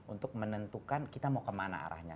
untuk menentukan kita mau kemana arahnya